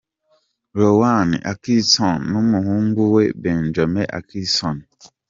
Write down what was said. Rowan Atkinson n'umuhungu we Benjamin Atkinson.